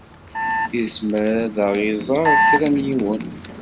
Izmer ad ɣ-d-iẓeṛ kra n yiwen.